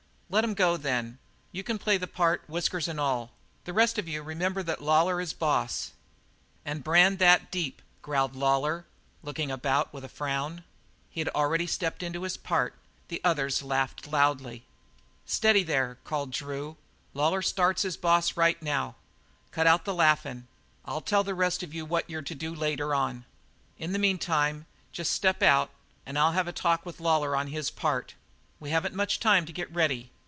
"Let them go, then. You can play the part, whiskers and all. The rest of you remember that Lawlor is the boss." "And brand that deep," growled Lawlor, looking about with a frown. He had already stepped into his part; the others laughed loudly. "Steady there!" called Drew. "Lawlor starts as boss right now. Cut out the laughing. I'll tell the rest of you what you're to do later on. In the meantime just step out and I'll have a talk with Lawlor on his part. We haven't much time to get ready.